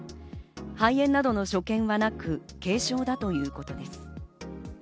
肺炎などの所見はなく軽症だということです。